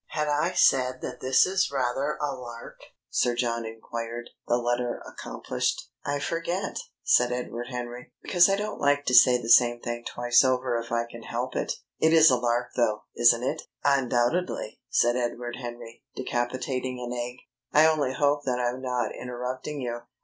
"Had I said that this is rather a lark?" Sir John enquired, the letter accomplished. "I forget," said Edward Henry. "Because I don't like to say the same thing twice over if I can help it. It is a lark though, isn't it?" "Undoubtedly," said Edward Henry, decapitating an egg. "I only hope that I'm not interrupting you."